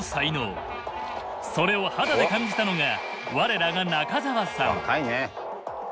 それを肌で感じたのが我らが中澤さん。